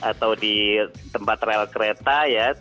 atau di tempat rel kereta ya